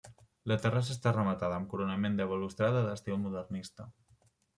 La terrassa està rematada amb coronament de balustrada d'estil modernista.